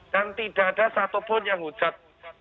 dan tidak ada satupun yang hujat